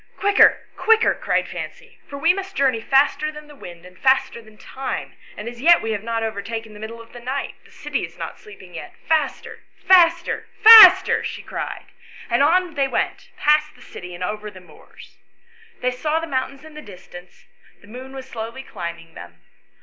" Quicker, quicker," cried Fancy, " for we must journey faster than the wind and faster than time, and as yet we have not overtaken the middle of the night ; the city is not sleeping yet: faster faster faster!" she cried, and on they went beyond the city and over the moors. They saw the mountains in the distance; the moon was slowly climbing them.